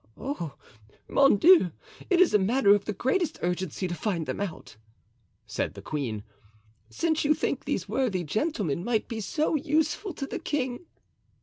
"Oh, mon Dieu, it is a matter of the greatest urgency to find them out," said the queen, "since you think these worthy gentlemen might be so useful to the king."